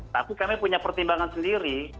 tapi kami punya pertimbangan sendiri